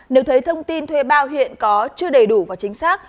nếu thấy thông tin thuê bao hiện có chưa đầy đủ và chính xác